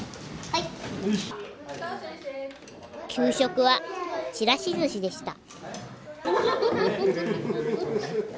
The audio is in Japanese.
はい給食はちらし寿司でした